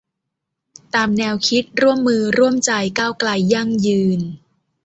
ตามแนวคิด ร่วมมือ ร่วมใจ ก้าวไกล ยั่งยืน